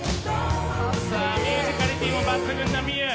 さあミュージカリティーも抜群なＭｉＹＵ。